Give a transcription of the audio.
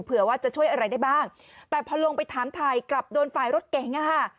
เผื่อว่าจะช่วยอะไรได้บ้างแต่พอลงไปถามไทยกลับโดนฝ่ายรถเก๋งอ่ะค่ะ